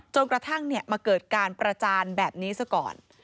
จนกระทั่งมาเกิดการประจานแบบนี้ซะก่อน